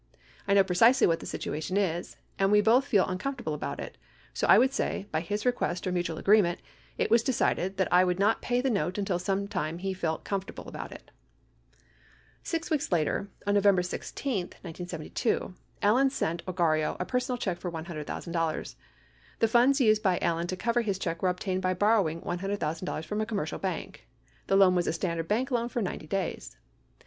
I know precisely what the situation is, and we both feel uncomfortable about it. So I would say, by his request, or mutual agreement, it was decided that I would not pay the note until sometime he felt comfortable about it. 69 Six weeks later on November 16, 1972, Allen sent Ogarrio a per sonal check for $100,000. The funds used by Allen to cover his check were obtained by borrowing $100,000 from a commercial bank. The loan was a standard bank loan for 90 days.